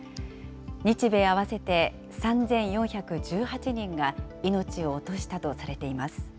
日米合わせて３４１８人が命を落としたとされています。